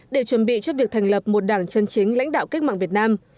để chuẩn bị cho việc thành lập một đảng chân chính lãnh đạo cách mạng việt nam